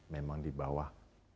memang di bawah